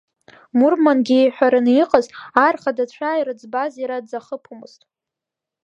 Мурмангьы ииҳәараны иҟаз, ар рхадацәа ирыӡбаз иара дзахыԥомызт.